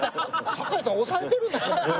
堺さん抑えてるんですか？